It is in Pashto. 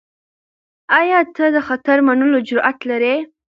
آیا ته د خطر منلو جرئت لرې؟